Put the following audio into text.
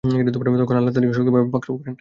তখন আল্লাহ তাদেরকে শক্তভাবে পাকড়াও করেন।